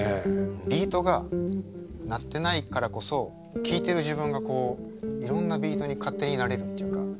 ビートが鳴ってないからこそ聴いてる自分がこういろんなビートに勝手になれるっていうか。